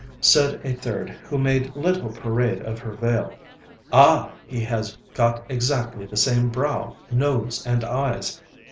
Said a third, who made little parade of her veil: 'Ah! he has got exactly the same brow, nose, and eyes!'